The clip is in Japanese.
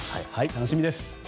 楽しみです。